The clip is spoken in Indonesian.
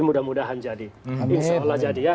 mudah mudahan jadi insya allah jadi ya